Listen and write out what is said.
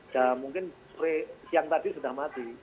dan mungkin siang tadi sudah mati